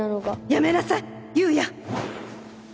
やめなさい夕也！